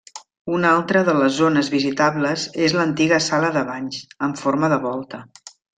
Una altra de les zones visitables és l'antiga sala de banys, amb forma de volta.